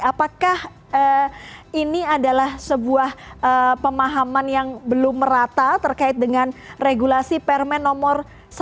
apakah ini adalah sebuah pemahaman yang belum merata terkait dengan regulasi permen nomor satu